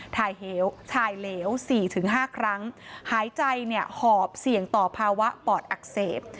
ถ่ายเหลว๔๕ครั้งหายใจเนี่ยหอบเสี่ยงต่อภาวะปอดอักเสบ